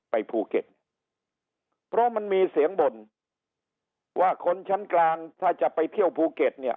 ไปภูเก็ตเพราะมันมีเสียงบ่นว่าคนชั้นกลางถ้าจะไปเที่ยวภูเก็ตเนี่ย